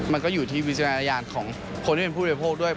มันก็อยู่ที่วิจารณญาณของคนที่เป็นผู้บริโภคด้วย